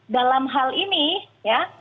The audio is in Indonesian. dalam hal ini ya